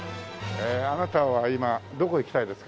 あなたは今どこ行きたいですか？